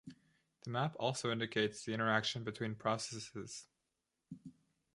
The map also indicates the interaction between processes.